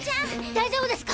大丈夫ですか？